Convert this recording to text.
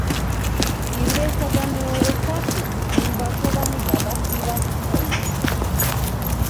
პირველსა და მეორე სართულს გუმბათოვანი გადახურვა ჰქონია.